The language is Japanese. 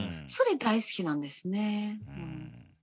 それ大好きなんですね。